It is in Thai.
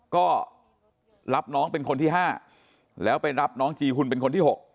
ก็รับน้องเป็นคนที่๕แล้วไปรับน้องจีหุ่นเป็นคนที่๖